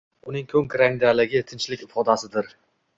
Uning ko‘k rangdaligi tinchlik ifodasidir